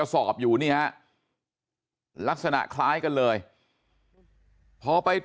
แล้วก็ยัดลงถังสีฟ้าขนาด๒๐๐ลิตร